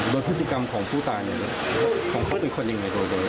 แล้วพฤติกรรมของผู้ตายเนี่ยของเขาเป็นคนยังไงโดย